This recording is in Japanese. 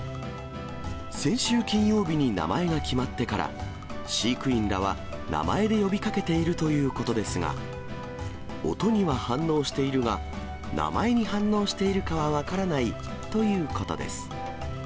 先週金曜日に名前が決まってから、飼育員らは名前で呼びかけているということですが、音には反応しているが、名前に反応しているかは分からないということです。